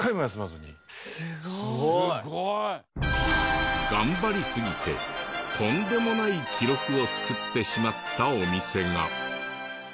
すごい！頑張りすぎてとんでもない記録を作ってしまったお店が。